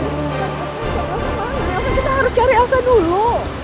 tidak tidak tidak tidak kita harus cari elsa dulu